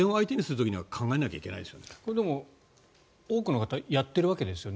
でも多くの方はやっているわけですね。